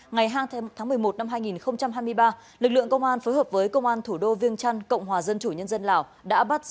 ngày hai tháng một mươi một năm hai nghìn hai mươi ba lực lượng công an phối hợp với công an thủ đô viêng trăn cộng hòa dân chủ nhân dân lào đã bắt giữ